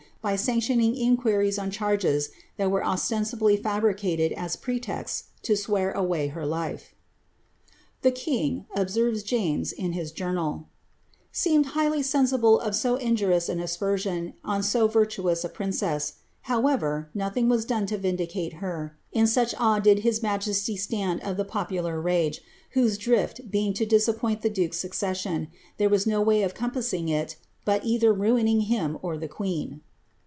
by sanctioning inquiries on charges that were ostensibly fabricated as pretexts to swear away her life. Tlie king,*' obsen'es James, in his Journal, ^ seemed highly sensible of so injurious an aspersion on so virtuous a princess ; however, nothing was done to vindicate her, in such awe did his majesty stand of the popu lar rage, whose drifl being to disappoint the duke^s succession, there was no way of compassing it but either ruining him or the queen.